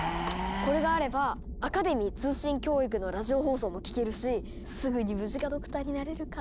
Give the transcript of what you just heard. これがあれば「アカデミー通信教育」のラジオ放送も聴けるしすぐにムジカドクターになれるかも。